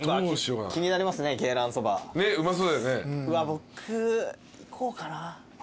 僕いこうかな。